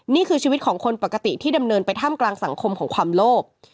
นี่คือชีวิตของคนปกติที่ดำเนินไปท่ามกลางสังคมของความโลภ